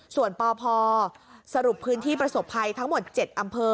ส่วนปพสรุปพื้นที่ประสบภัยทั้งหมด๗อำเภอ